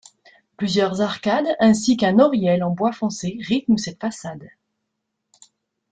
Plusieurs arcades ainsi qu'un oriel en bois foncé rythment cette façade.